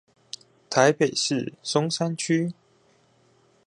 台北市松山區